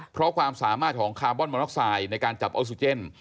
เพราะความสามารถของคาร์บอนมอน็อกไซด์ในการจับออกซิเจน